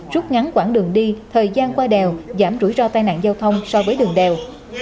rút ngắn quãng đường đi thời gian qua đèo giảm rủi ro tai nạn giao thông so với đường đèo